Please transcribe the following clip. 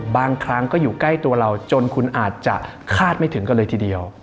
บางครั้งก็อยู่ใกล้ตัวเราจนคุณอาจจะคาดไม่ถึงกันเลยทีเดียว